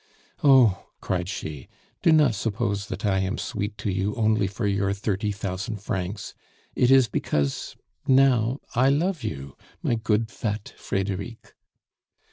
"Oh!" cried she, "do not suppose that I am sweet to you only for your thirty thousand francs! It is because now I love you, my good, fat Frederic."